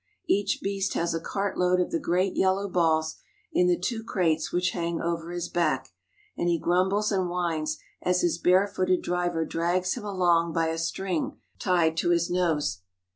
Each beast has a cartload of the great yellow balls in the two crates which hang over his back, and he grumbles and whines as his barefooted driver drags him along by a string tied to his nose.